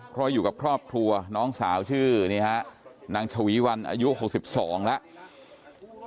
เพราะอยู่กับครอบครัวน้องสาวชื่อนี่ฮะนางชวีวันอายุ๖๒แล้ว